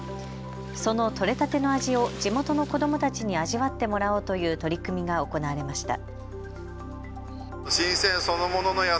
その取れたての味を地元の子どもたちに味わってもらおうという取り組みが行われました。